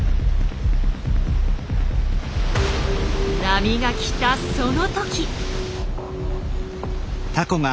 波が来たその時。